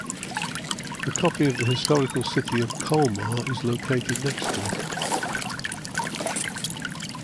A copy of the historical city of Colmar is located next to it.